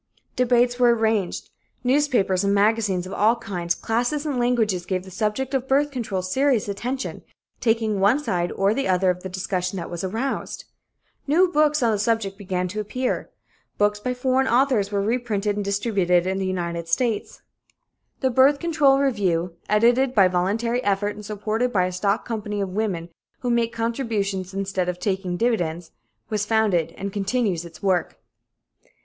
Debates were arranged. Newspapers and magazines of all kinds, classes and languages gave the subject of birth control serious attention, taking one side or the other of the discussion that was aroused. New books on the subject began to appear. Books by foreign authors were reprinted and distributed in the United States. The Birth Control Review, edited by voluntary effort and supported by a stock company of women who make contributions instead of taking dividends, was founded and continues its work.